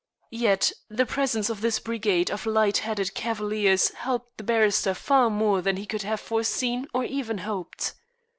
Yet the presence of this brigade of light headed cavaliers helped the barrister far more than he could have foreseen or even hoped.